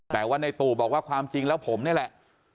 แต่ว่าในตู่บอกว่าความจริงแล้วผมนี่แหละ